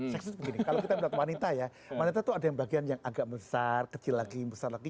seksus begini kalau kita melihat wanita ya wanita itu ada yang bagian yang agak besar kecil lagi yang besar lagi